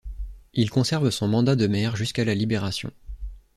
Il conserve son mandat de maire jusqu'à la Libération.